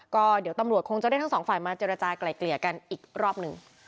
ก็เดี๋ยวตำรวจคงจะได้ทั้งสองฝ่ายมาเจรจากลายเกลี่ยกันอีกรอบหนึ่ง